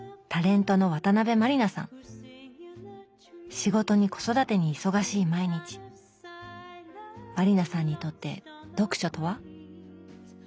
仕事に子育てに忙しい毎日満里奈さんにとって読書とは？